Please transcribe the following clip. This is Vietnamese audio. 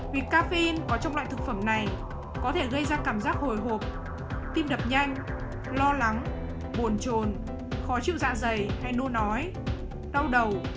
vì caffeine có trong loại thực phẩm này có thể gây ra cảm giác hồi hộp tim đập nhanh lo lắng buồn trồn khó chịu dạ dày hay nua nói đau đầu